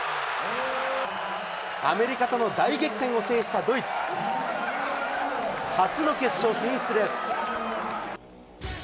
アメリカとの大激戦を制したドイツ、初の決勝進出です。